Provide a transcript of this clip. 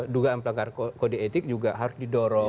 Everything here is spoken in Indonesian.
dugaan pelanggaran kode etik juga harus didorong